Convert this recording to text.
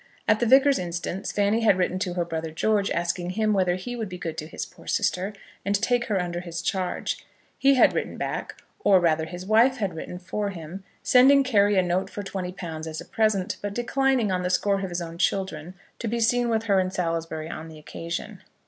At the Vicar's instance Fanny had written to her brother George, asking him whether he would be good to his poor sister, and take her under his charge. He had written back, or rather his wife had written for him, sending Carry a note for £20 as a present, but declining, on the score of his own children, to be seen with her in Salisbury on the occasion.